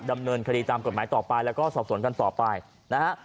ดำเนินคดีตามกฎหมายต่อไปแล้วก็สอบสวนกันต่อไปนะฮะ